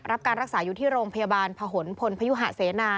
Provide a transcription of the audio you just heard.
รับการรักษาอยู่ที่โรงพยาบาลพหนพลพยุหะเสนา